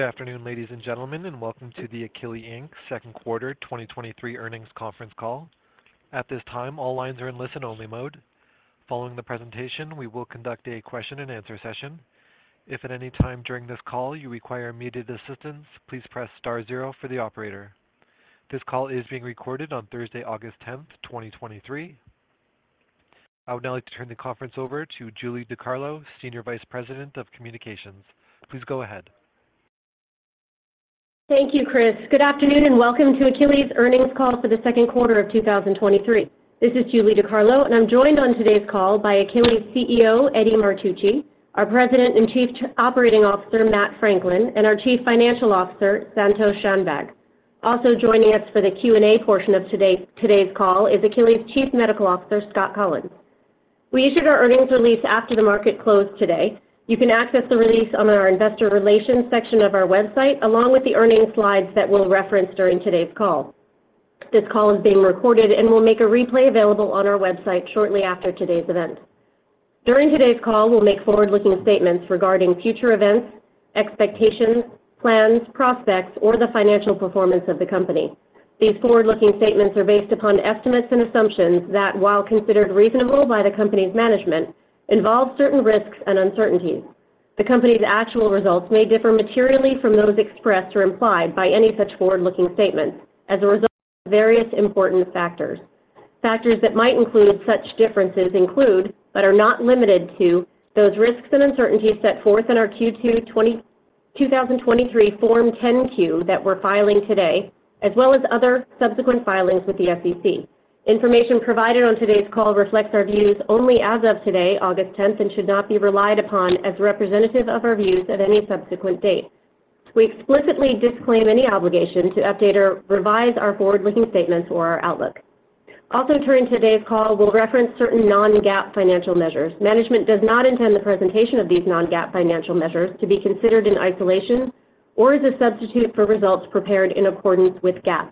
Good afternoon, ladies and gentlemen, and welcome to the Akili, Inc. Q2 2023 earnings conference call. At this time, all lines are in listen-only mode. Following the presentation, we will conduct a question-and-answer session. If at any time during this call you require immediate assistance, please press star zero for the operator. This call is being recorded on Thursday, August 10, 2023. I would now like to turn the conference over to Julie DiCarlo, Senior Vice President of Communications. Please go ahead. Thank you, Chris. Good afternoon, welcome to Akili's earnings call for the Q2 of 2023. This is Julie DiCarlo, I'm joined on today's call by Akili's CEO, Eddie Martucci, our President and Chief Operating Officer, Matt Franklin, and our Chief Financial Officer, Santosh Shanbhag. Also joining us for the Q&A portion of today's call is Akili's Chief Medical Officer, Scott Collins. We issued our earnings release after the market closed today. You can access the release on our investor relations section of our website, along with the earnings slides that we'll reference during today's call. This call is being recorded, we'll make a replay available on our website shortly after today's event. During today's call, we'll make forward-looking statements regarding future events, expectations, plans, prospects, or the financial performance of the company. These forward-looking statements are based upon estimates and assumptions that, while considered reasonable by the company's management, involve certain risks and uncertainties. The company's actual results may differ materially from those expressed or implied by any such forward-looking statements as a result of various important factors. Factors that might include such differences include, but are not limited to, those risks and uncertainties set forth in our Q2 2023 Form 10-Q that we're filing today, as well as other subsequent filings with the SEC. Information provided on today's call reflects our views only as of today, August 10th, and should not be relied upon as representative of our views at any subsequent date. We explicitly disclaim any obligation to update or revise our forward-looking statements or our outlook. Also, during today's call, we'll reference certain non-GAAP financial measures. Management does not intend the presentation of these non-GAAP financial measures to be considered in isolation or as a substitute for results prepared in accordance with GAAP,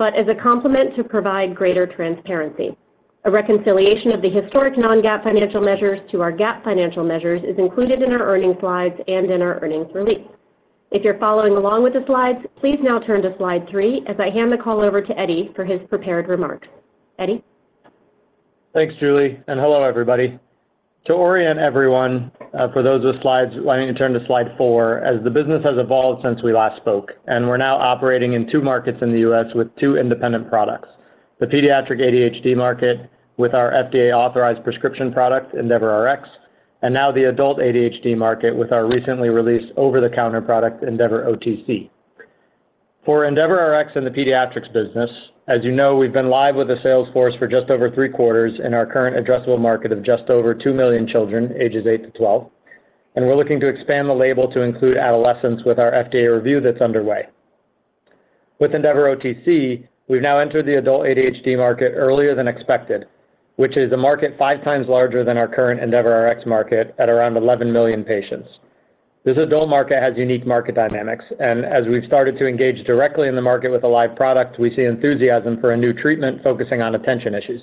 but as a complement to provide greater transparency. A reconciliation of the historic non-GAAP financial measures to our GAAP financial measures is included in our earnings slides and in our earnings release. If you're following along with the slides, please now turn to Slide three as I hand the call over to Eddie for his prepared remarks. Eddie? Thanks, Julie. Hello, everybody. To orient everyone, for those with slides, why don't you turn to Slide four, as the business has evolved since we last spoke. We're now operating in two markets in the U.S. with two independent products: the pediatric ADHD market with our FDA-authorized prescription product, EndeavorRx, and now the adult ADHD market with our recently released over-the-counter product, EndeavorOTC. For EndeavorRx in the pediatrics business, as you know, we've been live with the sales force for just over three quarters in our current addressable market of just over 2 million children, ages eight to 12. We're looking to expand the label to include adolescents with our FDA review that's underway. With EndeavorOTC, we've now entered the adult ADHD market earlier than expected, which is a market five times larger than our current EndeavorRx market at around 11 million patients. This adult market has unique market dynamics, and as we've started to engage directly in the market with a live product, we see enthusiasm for a new treatment focusing on attention issues.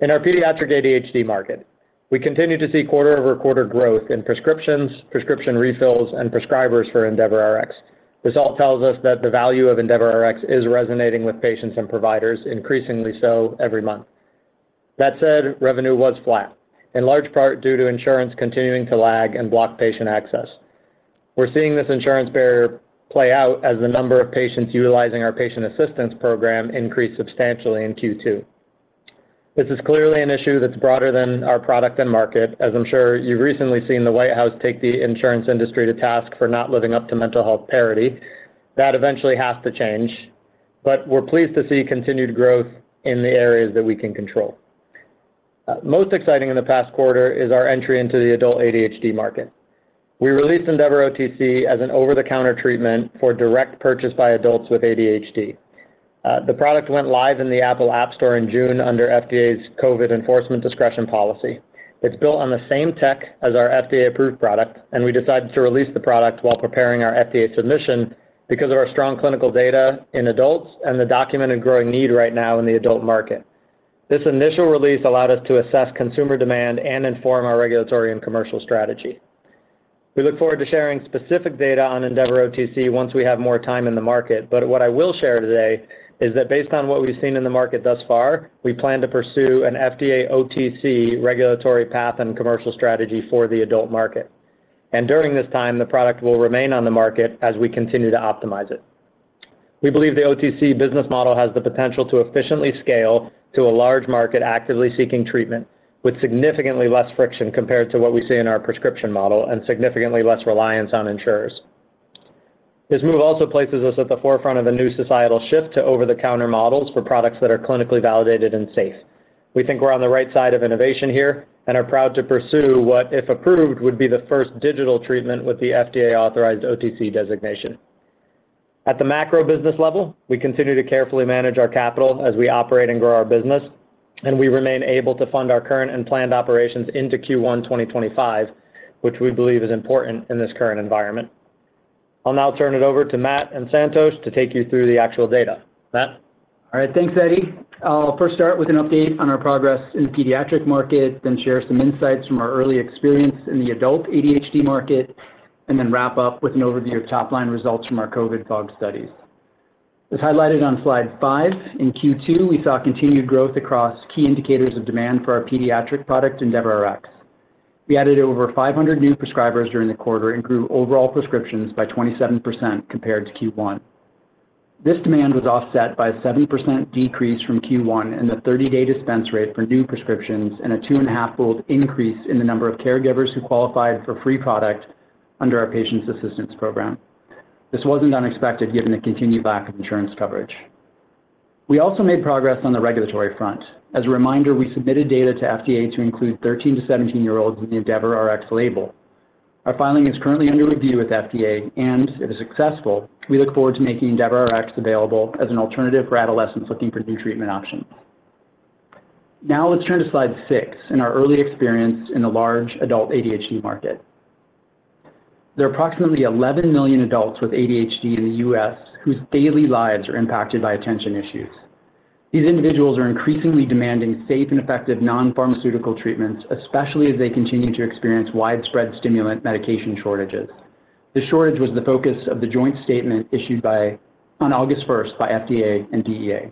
In our pediatric ADHD market, we continue to see quarter-over-quarter growth in prescriptions, prescription refills, and prescribers for EndeavorRx. This all tells us that the value of EndeavorRx is resonating with patients and providers, increasingly so every month. That said, revenue was flat, in large part due to insurance continuing to lag and block patient access. We're seeing this insurance barrier play out as the number of patients utilizing our patient assistance program increased substantially in Q2. This is clearly an issue that's broader than our product and market. As I'm sure you've recently seen the White House take the insurance industry to task for not living up to mental health parity. That eventually has to change, but we're pleased to see continued growth in the areas that we can control. Most exciting in the past quarter is our entry into the adult ADHD market. We released EndeavorOTC as an over-the-counter treatment for direct purchase by adults with ADHD. The product went live in the Apple App Store in June under FDA's COVID Enforcement Discretion policy. It's built on the same tech as our FDA-approved product, and we decided to release the product while preparing our FDA submission because of our strong clinical data in adults and the documented growing need right now in the adult market. This initial release allowed us to assess consumer demand and inform our regulatory and commercial strategy. We look forward to sharing specific data on EndeavorOTC once we have more time in the market. What I will share today is that based on what we've seen in the market thus far, we plan to pursue an FDA OTC regulatory path and commercial strategy for the adult market. During this time, the product will remain on the market as we continue to optimize it. We believe the OTC business model has the potential to efficiently scale to a large market actively seeking treatment with significantly less friction compared to what we see in our prescription model and significantly less reliance on insurers. This move also places us at the forefront of a new societal shift to over-the-counter models for products that are clinically validated and safe. We think we're on the right side of innovation here and are proud to pursue what, if approved, would be the first digital treatment with the FDA-authorized OTC designation. At the macro business level, we continue to carefully manage our capital as we operate and grow our business, we remain able to fund our current and planned operations into Q1 2025, which we believe is important in this current environment. I'll now turn it over to Matt and Santosh to take you through the actual data. Matt?... All right, thanks, Eddie. I'll first start with an update on our progress in the pediatric market, then share some insights from our early experience in the adult ADHD market, and then wrap up with an overview of top-line results from our COVID fog studies. As highlighted on Slide five, in Q2, we saw continued growth across key indicators of demand for our pediatric product, EndeavorRx. We added over 500 new prescribers during the quarter and grew overall prescriptions by 27% compared to Q1. This demand was offset by a 7% decrease from Q1 in the 30-day dispense rate for new prescriptions and a 2.5-fold increase in the number of caregivers who qualified for free product under our patient assistance program. This wasn't unexpected, given the continued lack of insurance coverage. We also made progress on the regulatory front. As a reminder, we submitted data to FDA to include 13 to 17-year-olds in the EndeavorRx label. Our filing is currently under review with FDA. If it is successful, we look forward to making EndeavorRx available as an alternative for adolescents looking for new treatment options. Let's turn to Slide six, in our early experience in the large adult ADHD market. There are approximately 11 million adults with ADHD in the U.S., whose daily lives are impacted by attention issues. These individuals are increasingly demanding safe and effective non-pharmaceutical treatments, especially as they continue to experience widespread stimulant medication shortages. The shortage was the focus of the joint statement issued by, on August 1st by FDA and DEA.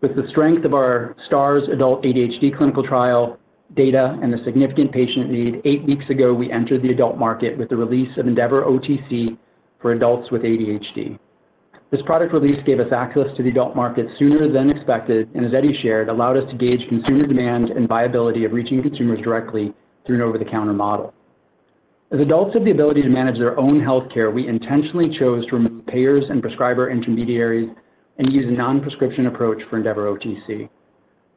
With the strength of our STARS, adult ADHD clinical trial data, and the significant patient need, eight weeks ago, we entered the adult market with the release of EndeavorOTC for adults with ADHD. This product release gave us access to the adult market sooner than expected, and as Eddie shared, allowed us to gauge consumer demand and viability of reaching consumers directly through an over-the-counter model. As adults have the ability to manage their own health care, we intentionally chose from payers and prescriber intermediaries and use a non-prescription approach for EndeavorOTC.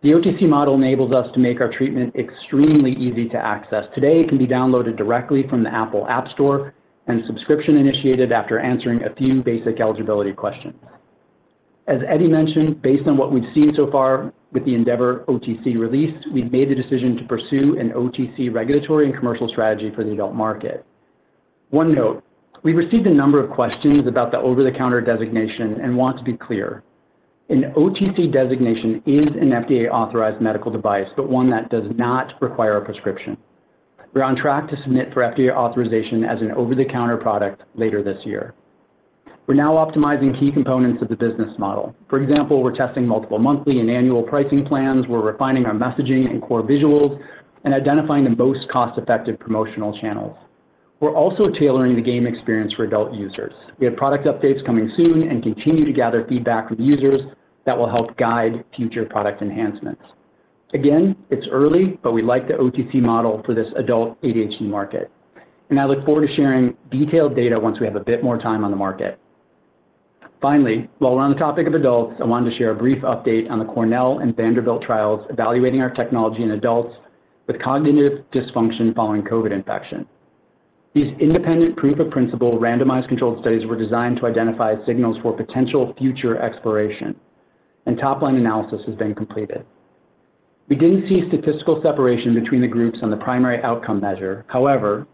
The OTC model enables us to make our treatment extremely easy to access. Today, it can be downloaded directly from the Apple App Store and subscription initiated after answering a few basic eligibility questions. As Eddie mentioned, based on what we've seen so far with the EndeavorOTC release, we've made the decision to pursue an OTC regulatory and commercial strategy for the adult market. One note, we received a number of questions about the over-the-counter designation and want to be clear. An OTC designation is an FDA-authorized medical device, but one that does not require a prescription. We're on track to submit for FDA authorization as an over-the-counter product later this year. We're now optimizing key components of the business model. For example, we're testing multiple monthly and annual pricing plans, we're refining our messaging and core visuals, and identifying the most cost-effective promotional channels. We're also tailoring the game experience for adult users. We have product updates coming soon and continue to gather feedback from users that will help guide future product enhancements. It's early, but we like the OTC model for this adult ADHD market, and I look forward to sharing detailed data once we have a bit more time on the market. While we're on the topic of adults, I wanted to share a brief update on the Cornell and Vanderbilt trials evaluating our technology in adults with cognitive dysfunction following COVID infection. These independent proof of principle, randomized controlled studies, were designed to identify signals for potential future exploration. Top-line analysis has been completed. We didn't see statistical separation between the groups on the primary outcome measure.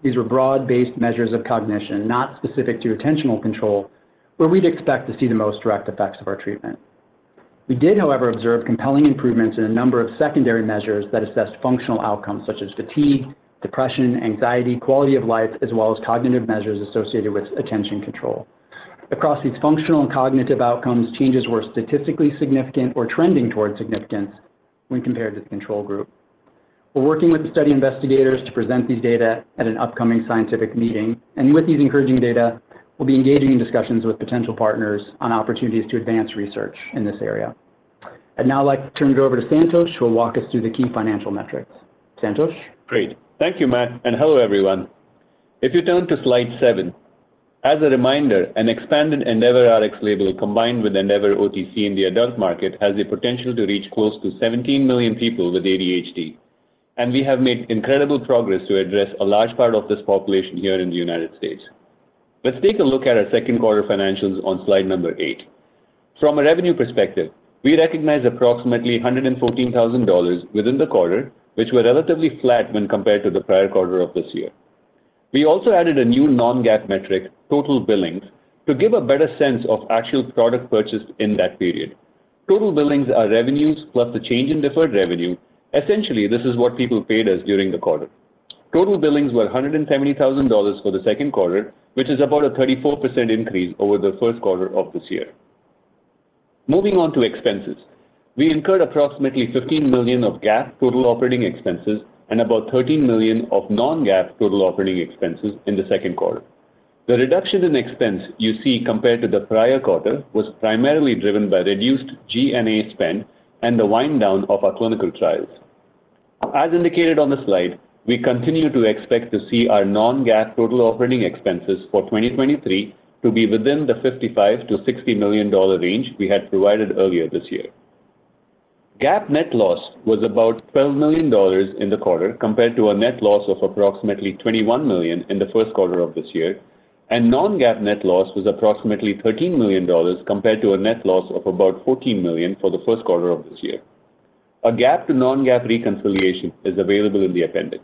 These were broad-based measures of cognition, not specific to attentional control, where we'd expect to see the most direct effects of our treatment. We did, however, observe compelling improvements in a number of secondary measures that assessed functional outcomes such as fatigue, depression, anxiety, quality of life, as well as cognitive measures associated with attentional control. Across these functional and cognitive outcomes, changes were statistically significant or trending towards significance when compared to the control group. We're working with the study investigators to present these data at an upcoming scientific meeting, and with these encouraging data, we'll be engaging in discussions with potential partners on opportunities to advance research in this area. I'd now like to turn it over to Santosh, who will walk us through the key financial metrics. Santosh? Great. Thank you, Matt, and hello, everyone. If you turn to Slide seven, as a reminder, an expanded EndeavorRx label, combined with EndeavorOTC in the adult market, has the potential to reach close to 17 million people with ADHD, and we have made incredible progress to address a large part of this population here in the United States. Let's take a look at our Q2 financials on Slide eight. From a revenue perspective, we recognize approximately $114,000 within the quarter, which were relatively flat when compared to the prior quarter of this year. We also added a new non-GAAP metric, total billings, to give a better sense of actual product purchased in that period. Total billings are revenues plus the change in deferred revenue. Essentially, this is what people paid us during the quarter. Total billings were $170,000 for the Q2, which is about a 34% increase over the Q1 of this year. Moving on to expenses, we incurred approximately $15 million of GAAP total operating expenses and about $13 million of non-GAAP total operating expenses in the Q2. The reduction in expense you see compared to the prior quarter was primarily driven by reduced G&A spend and the wind down of our clinical trials. As indicated on the slide, we continue to expect to see our non-GAAP total operating expenses for 2023 to be within the $55 million-$60 million range we had provided earlier this year. GAAP net loss was about $12 million in the quarter, compared to a net loss of approximately $21 million in the Q1 of this year. Non-GAAP net loss was approximately $13 million, compared to a net loss of about $14 million for the Q1 of this year. A GAAP to non-GAAP reconciliation is available in the appendix....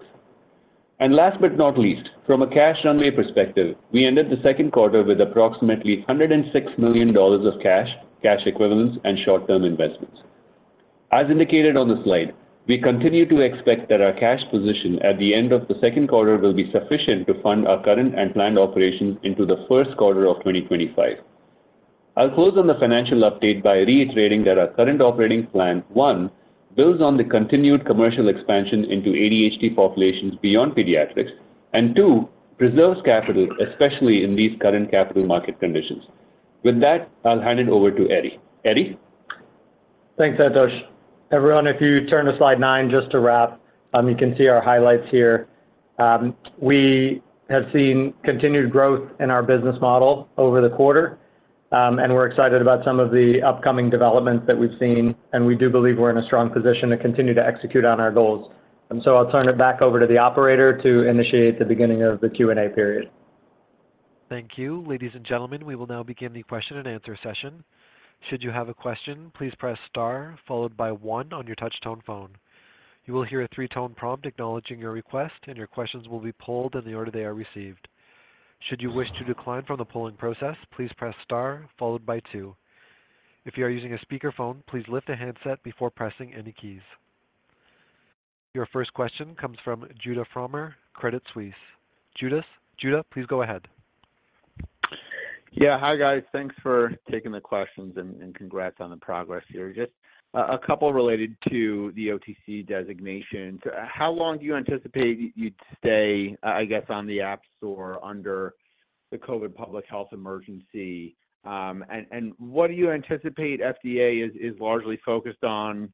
Last but not least, from a cash runway perspective, we ended the Q2 with approximately $106 million of cash, cash equivalents, and short-term investments. As indicated on the slide, we continue to expect that our cash position at the end of the Q2 will be sufficient to fund our current and planned operations into the Q1 of 2025. I'll close on the financial update by reiterating that our current operating plan, one, builds on the continued commercial expansion into ADHD populations beyond pediatrics, and two, preserves capital, especially in these current capital market conditions. With that, I'll hand it over to Eddie. Eddie? Thanks, Santosh. Everyone, if you turn to Slide nine, just to wrap, you can see our highlights here. We have seen continued growth in our business model over the quarter, and we're excited about some of the upcoming developments that we've seen, and we do believe we're in a strong position to continue to execute on our goals. So I'll turn it back over to the operator to initiate the beginning of the Q&A period. Thank you. Ladies and gentlemen, we will now begin the question-and-answer session. Should you have a question, please press star followed by one on your touch tone phone. You will hear a three-tone prompt acknowledging your request, and your questions will be polled in the order they are received. Should you wish to decline from the polling process, please press star followed by two. If you are using a speakerphone, please lift the handset before pressing any keys. Your first question comes from Judah Frommer, Credit Suisse. Judah, please go ahead. Yeah. Hi, guys. Thanks for taking the questions, and congrats on the progress here. Just a couple related to the OTC designation. How long do you anticipate you'd stay, I guess, on the Apple App Store under the COVID public health emergency? What do you anticipate FDA is largely focused on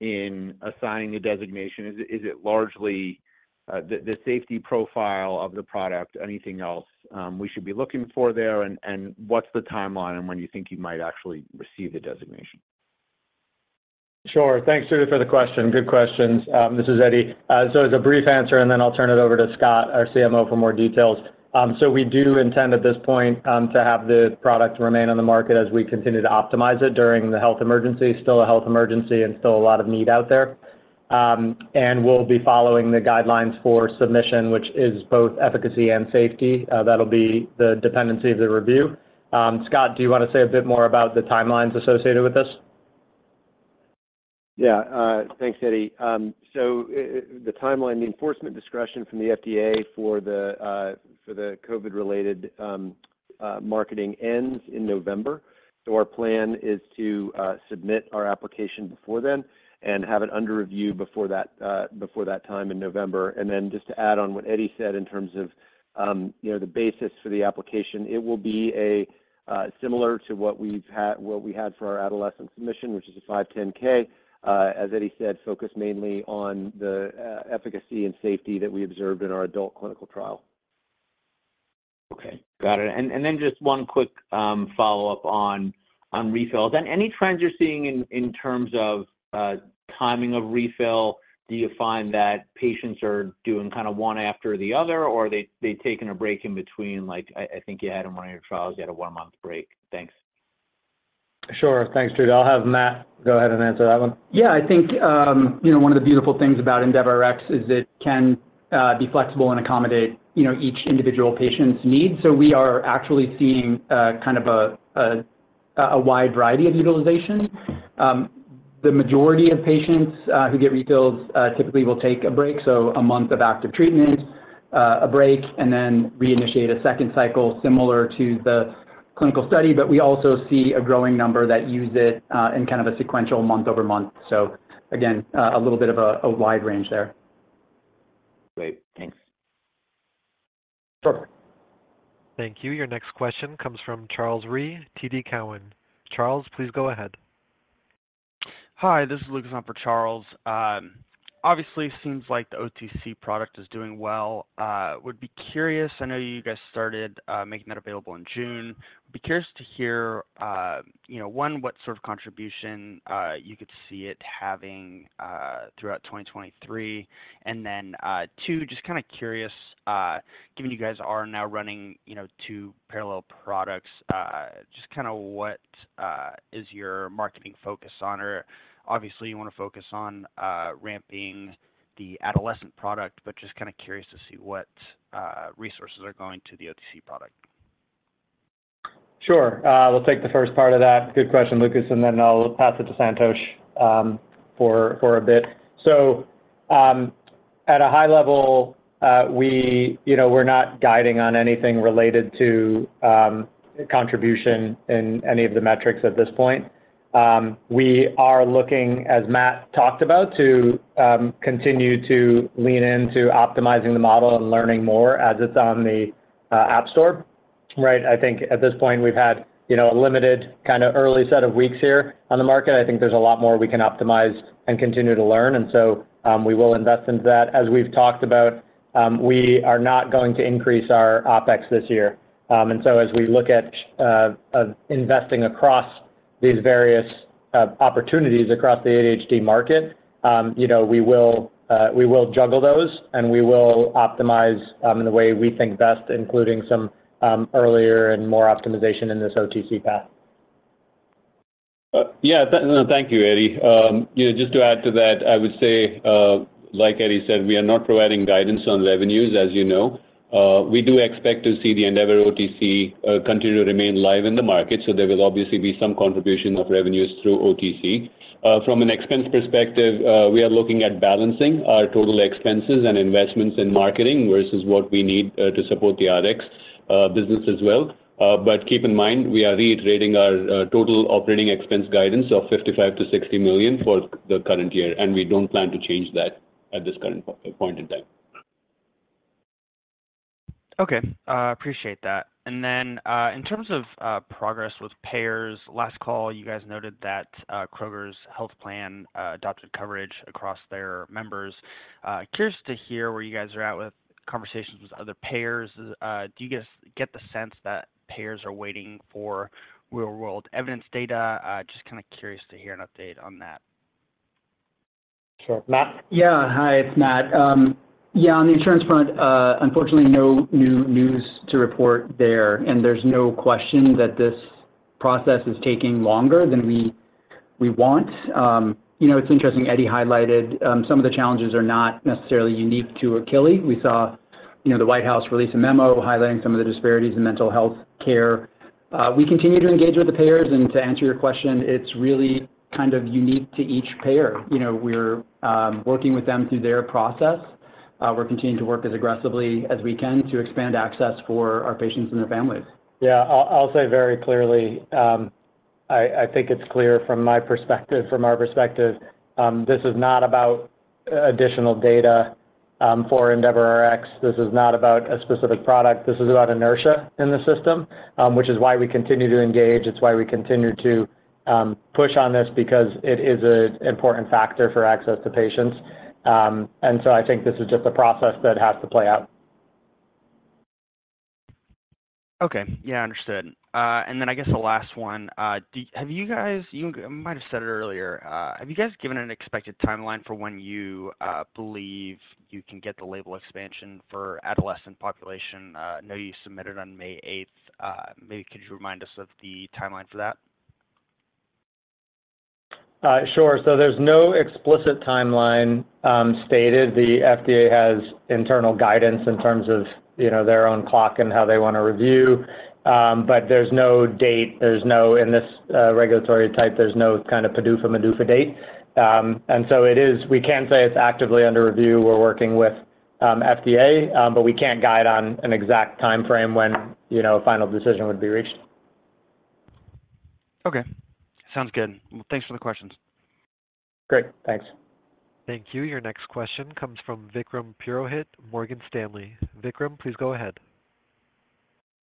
in assigning the designation? Is it largely the safety profile of the product, anything else we should be looking for there? What's the timeline on when you think you might actually receive the designation? Sure. Thanks, Judah, for the question. Good questions. This is Eddie. As a brief answer, and then I'll turn it over to Scott, our CMO, for more details. We do intend at this point, to have the product remain on the market as we continue to optimize it during the health emergency. Still a health emergency and still a lot of need out there. We'll be following the guidelines for submission, which is both efficacy and safety. That'll be the dependency of the review. Scott, do you want to say a bit more about the timelines associated with this? Yeah. Thanks, Eddie. The timeline, the enforcement discretion from the FDA for the COVID-related marketing ends in November. Our plan is to submit our application before then and have it under review before that time in November. Just to add on what Eddie said in terms of, you know, the basis for the application, it will be similar to what we've had-- what we had for our adolescent submission, which is a 510(k). As Eddie said, focused mainly on the efficacy and safety that we observed in our adult clinical trial. Okay. Got it. Then just one quick follow-up on refills. Any trends you're seeing in terms of timing of refill, do you find that patients are doing kind of one after the other, or they've taken a break in between? Like, I think you had in one of your trials, you had a one-month break. Thanks. Sure. Thanks, Judah. I'll have Matt go ahead and answer that one. Yeah, I think, you know, one of the beautiful things about EndeavorRx is it can be flexible and accommodate, you know, each individual patient's needs. We are actually seeing kind of a wide variety of utilization. The majority of patients who get refills typically will take a break, so a month of active treatment, a break, and then reinitiate a second cycle, similar to the clinical study. We also see a growing number that use it in kind of a sequential month-over-month. Again, a little bit of a wide range there. Great. Thanks. Sure. Thank you. Your next question comes from Charles Rhyee, TD Cowen. Charles, please go ahead. Hi, this is Lucas, not for Charles. obviously, seems like the OTC product is doing well. would be curious, I know you guys started making that available in June. Be curious to hear, you know, one, what sort of contribution you could see it having throughout 2023. Two, just kind of curious, given you guys are now running, you know, two parallel products, just kind of what is your marketing focus on? Obviously, you want to focus on ramping the adolescent product, but just kind of curious to see what resources are going to the OTC product. Sure. We'll take the first part of that. Good question, Lucas, and then I'll pass it to Santosh for a bit. At a high level, we, you know, we're not guiding on anything related to contribution in any of the metrics at this point. We are looking, as Matt talked about, to continue to lean into optimizing the model and learning more as it's on the App Store. I think at this point we've had, you know, a limited kind of early set of weeks here on the market. I think there's a lot more we can optimize and continue to learn. We will invest into that. As we've talked about, we are not going to increase our OpEx this year. As we look at investing across these various opportunities across the ADHD market, you know, we will juggle those, and we will optimize in the way we think best, including some earlier and more optimization in this OTC path. Yeah, no, thank you, Eddie. You know, just to add to that, I would say, like Eddie said, we are not providing guidance on revenues, as you know. We do expect to see the EndeavorOTC continue to remain live in the market, so there will obviously be some contribution of revenues through OTC. From an expense perspective, we are looking at balancing our total expenses and investments in marketing versus what we need to support the RX business as well. But keep in mind, we are reiterating our total operating expense guidance of $55 million-$60 million for the current year, and we don't plan to change that at this current point in time. Okay, appreciate that. Then, in terms of progress with payers, last call you guys noted that Kroger's health plan adopted coverage across their members. Curious to hear where you guys are at with conversations with other payers. Do you guys get the sense that payers are waiting for real world evidence data? Just kind of curious to hear an update on that. Sure. Matt? Yeah. Hi, it's Matt. Yeah, on the insurance front, unfortunately, no new news to report there. There's no question that this process is taking longer than we, we want. You know, it's interesting, Eddie highlighted, some of the challenges are not necessarily unique to Akili. We saw, you know, the White House release a memo highlighting some of the disparities in mental health care. We continue to engage with the payers. To answer your question, it's really kind of unique to each payer. You know, we're working with them through their process. We're continuing to work as aggressively as we can to expand access for our patients and their families. Yeah, I'll say very clearly, I think it's clear from my perspective, from our perspective, this is not about additional data, for EndeavorRx. This is not about a specific product. This is about inertia in the system, which is why we continue to engage. It's why we continue to push on this, because it is a important factor for access to patients. I think this is just a process that has to play out. Okay. Yeah, understood. I guess the last one, Have you guys, you might have said it earlier, have you guys given an expected timeline for when you believe you can get the label expansion for adolescent population? I know you submitted on May 8th. Maybe could you remind us of the timeline for that? Sure. There's no explicit timeline stated. The FDA has internal guidance in terms of, you know, their own clock and how they wanna review. There's no date, there's no, in this regulatory type, there's no kind of PDUFA, MDUFA date. We can say it's actively under review. We're working with FDA, but we can't guide on an exact timeframe when, you know, a final decision would be reached. Okay. Sounds good. Well, thanks for the questions. Great, thanks. Thank you. Your next question comes from Vikram Purohit, Morgan Stanley. Vikram, please go ahead.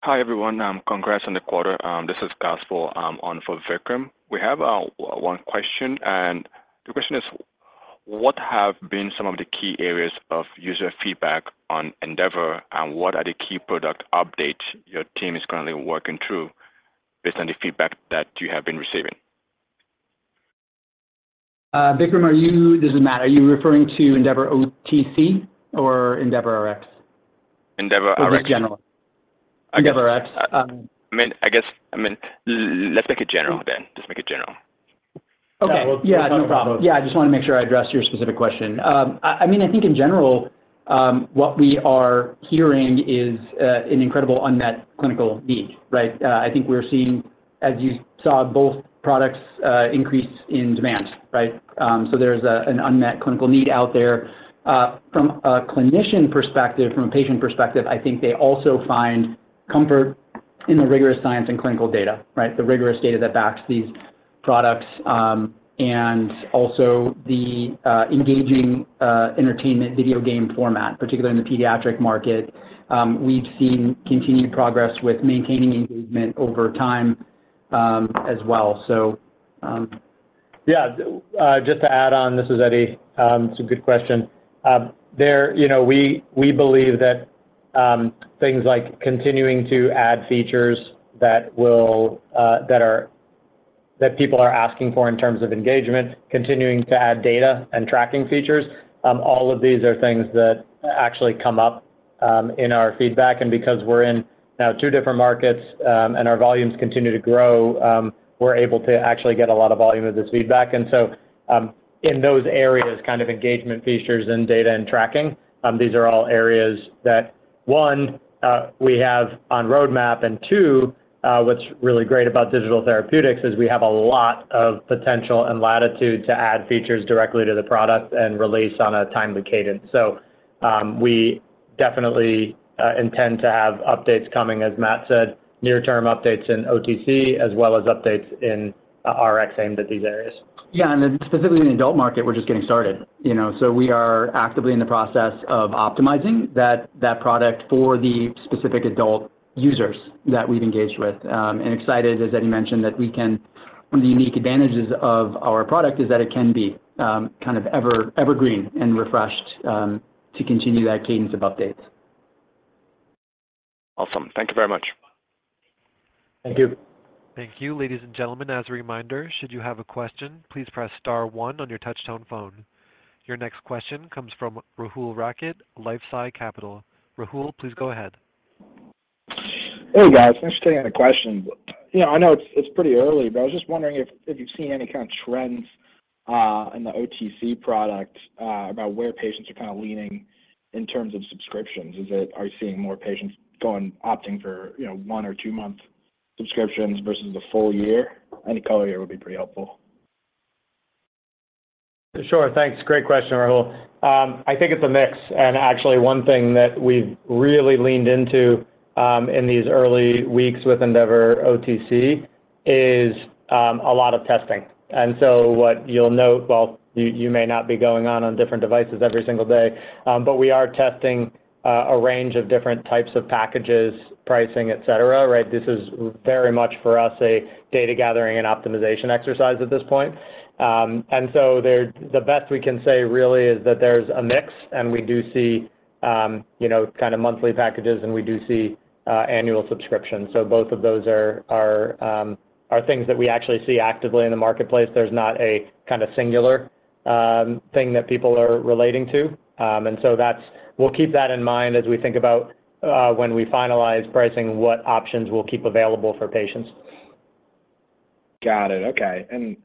Hi, everyone. congrats on the quarter. This is Gus Paul, l'm on for Vikram. We have one question, and the question is: What have been some of the key areas of user feedback on Endeavor, and what are the key product updates your team is currently working through, based on the feedback that you have been receiving? Vikram, this is Matt. Are you referring to EndeavorOTC or EndeavorRx? EndeavorRx. Just general EndeavorRx. I meant, I guess, I meant, let's make it general then. Just make it general. Okay. Yeah, we'll talk about both. Yeah, no problem. Yeah, I just wanna make sure I address your specific question. I mean, I think in general, what we are hearing is an incredible unmet clinical need, right? I think we're seeing, as you saw, both products increase in demand, right? There's an unmet clinical need out there. From a clinician perspective, from a patient perspective, I think they also find comfort in the rigorous science and clinical data, right? The rigorous data that backs these products. Also the engaging entertainment video game format, particularly in the pediatric market. We've seen continued progress with maintaining engagement over time as well, so. Yeah, just to add on, this is Eddie. It's a good question. There, you know, we, we believe that things like continuing to add features that will, that are-- that people are asking for in terms of engagement, continuing to add data and tracking features, all of these are things that actually come up in our feedback. Because we're in now two different markets, and our volumes continue to grow, we're able to actually get a lot of volume of this feedback. In those areas, kind of engagement features and data and tracking, these are all areas that, one, we have on roadmap, and two, what's really great about digital therapeutics is we have a lot of potential and latitude to add features directly to the product and release on a timely cadence. We definitely intend to have updates coming, as Matt said, near-term updates in OTC, as well as updates in RX aimed at these areas. Yeah, then specifically in the adult market, we're just getting started, you know? We are actively in the process of optimizing that, that product for the specific adult users that we've engaged with. Excited, as Eddie mentioned, that we can... One of the unique advantages of our product is that it can be, kind of evergreen and refreshed, to continue that cadence of updates. Awesome. Thank you very much. Thank you. Thank you, ladies and gentlemen. As a reminder, should you have a question, please press star one on your touchtone phone. Your next question comes from Rahul Rakhit, LifeSci Capital. Rahul, please go ahead.... Hey, guys. Thanks for taking the questions. You know, I know it's, it's pretty early, but I was just wondering if, if you've seen any kind of trends in the OTC product about where patients are kinda leaning in terms of subscriptions? Are you seeing more patients going, opting for, you know, 1 or 2-month subscriptions versus the full year? Any color here would be pretty helpful. Sure. Thanks. Great question, Rahul. Actually, one thing that we've really leaned into in these early weeks with EndeavorOTC is a lot of testing. What you'll note, Well, you, you may not be going on on different devices every single day, we are testing a range of different types of packages, pricing, et cetera, right? This is very much for us, a data gathering and optimization exercise at this point. There, the best we can say really is that there's a mix, and we do see, you know, kinda monthly packages, and we do see annual subscriptions. Both of those are, are things that we actually see actively in the marketplace. There's not a kinda singular thing that people are relating to. That's-- We'll keep that in mind as we think about, when we finalize pricing, what options we'll keep available for patients. Got it. Okay.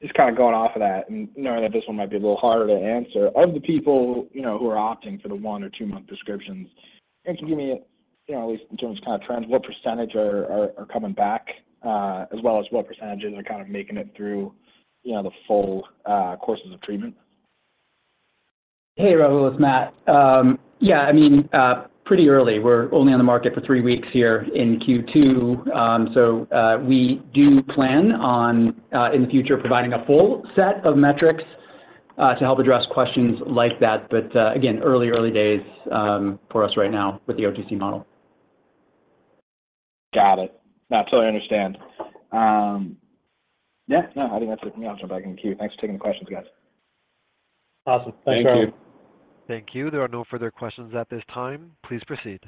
Just kinda going off of that, and knowing that this one might be a little harder to answer, of the people, you know, who are opting for the one or two-month prescriptions, if you can give me, you know, at least in terms of kinda trends, what % are coming back, as well as what % are kind of making it through, you know, the full courses of treatment? Hey, Rahul, it's Matt. Yeah, I mean, pretty early. We're only on the market for three weeks here in Q2. We do plan on in the future, providing a full set of metrics to help address questions like that. Again, early, early days for us right now with the OTC model. Got it. No, totally understand. Yeah, no, I think that's it for me. I'll jump back in queue. Thanks for taking the questions, guys. Awesome. Thank you. Thank you. There are no further questions at this time. Please proceed.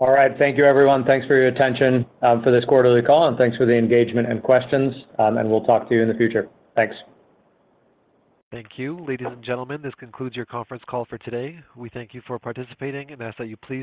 All right. Thank you, everyone. Thanks for your attention, for this quarterly call, and thanks for the engagement and questions. We'll talk to you in the future. Thanks. Thank you. Ladies and gentlemen, this concludes your conference call for today. We thank you for participating and ask that you please-